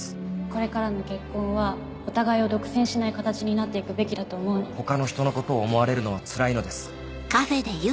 これからの結婚はお互いを独占しない形になって行くべきだと思うの他の人のことを思われるのはつらいのです。